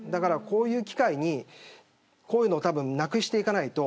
こういう機会にこういうのをなくしていかないと